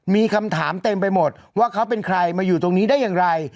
มีคำถามเต็มไปหมดว่าเขาเป็นใครมาอยู่ตรงนี้ได้อย่างไร